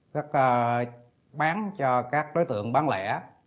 các bán cho các đối tượng bán lẻ